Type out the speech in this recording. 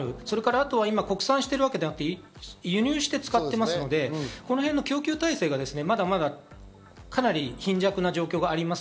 あと国産しているわけではなくて今、輸入して使っていますので、このへんの供給体制がかなり貧弱な状況があります。